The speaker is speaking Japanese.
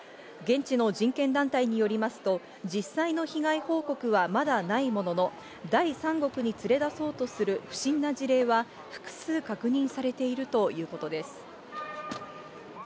現地の人権団体によりますと、実際の被害報告はまだないものの、第三国に連れ出そうとする不審な事例は複数確認されているということです。